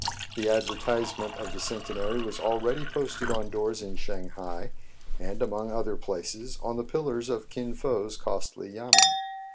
The advertisement of the Centenary was already posted on doors in Shang hai, and, among other places, on the pillars of Kin Fo's costly yamen.'